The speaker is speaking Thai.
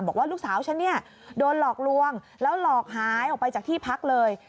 บอกว่าลูกสาวฉันเนี่ยโดนหลอกลวงแล้วหลอกหายออกไปจากที่พักเลย